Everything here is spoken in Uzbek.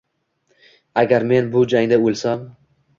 Agar men bu jangda o’lsam